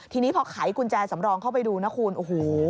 ทีนี้พอไขกุญแจสำรองเข้าไปดูนะคุณโอ้โห